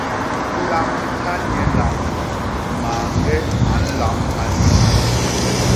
Lamha nye lañ; mañge a nlamha nyo.